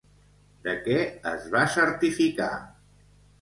De què es va certificar?